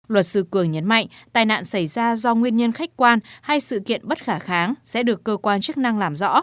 luật sư cường nhấn mạnh tai nạn xảy ra do nguyên nhân khách quan hay sự kiện bất khả kháng sẽ được cơ quan chức năng làm rõ